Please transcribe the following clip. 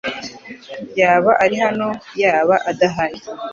Yaba ari hano yaba adahari?